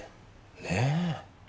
ねえ。